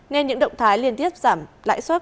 nên những động thái liên tiếp giảm lãi suất